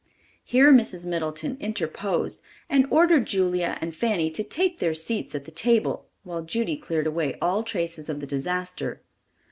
Here Mrs. Middleton interposed and ordered Julia and Fanny to take their seats at the table, while Judy cleared away all traces of the disaster.